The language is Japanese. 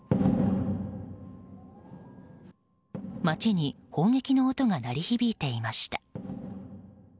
街に、砲撃の音が鳴り響いていました。